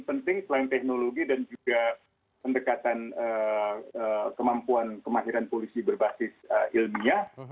penting selain teknologi dan juga pendekatan kemampuan kemahiran polisi berbasis ilmiah